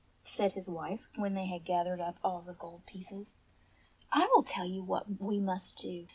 said his wife when they had gathered up all the gold pieces, " I will tell you what we must do.